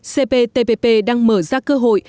cptpp đang mở ra cơ hội